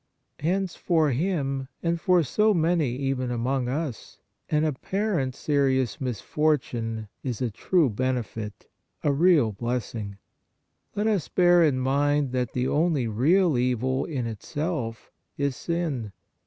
Hence for him and for so many even among us, an apparent serious misfortune is a true benefit, a real blessing. Let us bear in mind that the only real evil in itself is sin.